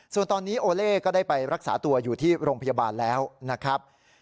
ส่วนตอนนี้โอเล่ก็ได้ไปรักษาตัวอยู่ที่โรงพยาบาลแล้วนะครับ